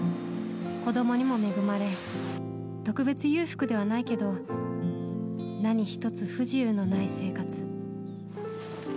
子供にも恵まれ特別裕福ではないけど何１つ不自由のない生活。